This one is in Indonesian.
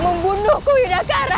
membunuhku ida karam